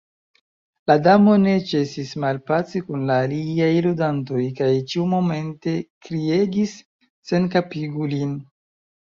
La Damo ne ĉesis malpaci kun la aliaj ludantoj kaj ĉiumomente kriegis "Senkapigu lin."